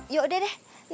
ya udah deh